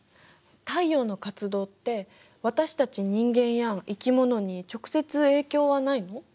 太陽の活動って私たち人間や生き物に直接影響はないの？